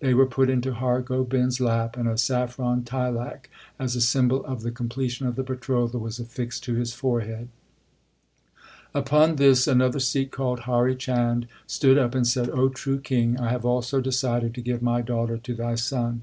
They were put into Har Gobind s lap, and a saffron tilak as a symbol of the completion of the betrothal was affixed to his forehead. LIFE OF GURU ARJAN 77 Upon this another Sikh called Hari Chand stood up, and said, O true king, I have also decided to give my daughter to thy son.